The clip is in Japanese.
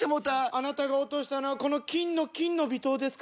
あなたが落としたのはこの金の「金の微糖」ですか？